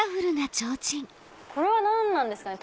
これは何なんですかね？